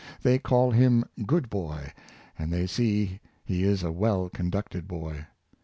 They call him " good boy," and they see he is a well conducted boy.